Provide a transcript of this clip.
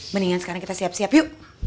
mendingan sekarang kita siap siap yuk